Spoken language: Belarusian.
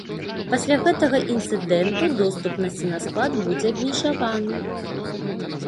Пасля гэтага інцыдэнту доступ на сенасклад будзе абмежаваны.